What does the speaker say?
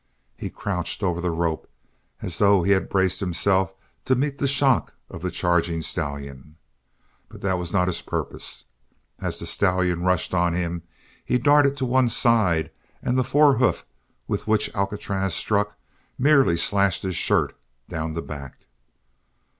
He crouched over the rope as though he had braced himself to meet the shock of the charging stallion. But that was not his purpose. As the stallion rushed on him he darted to one side and the fore hoof with which Alcatraz struck merely slashed his shirt down the back.